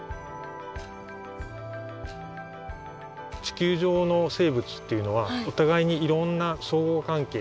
地球上の生物っていうのはお互いにいろんな相互関係っていうんですかね